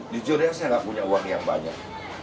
jujurnya saya nggak punya uang yang banyak